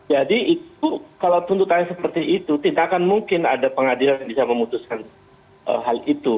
jadi itu kalau tuntutannya seperti itu tidak akan mungkin ada pengadilan yang bisa memutuskan hal itu